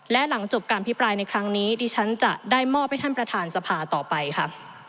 และหลังจบการพิปรายในครั้งนี้ดิฉันจะได้มอบให้ท่านประธานสภาต่อไปค่ะ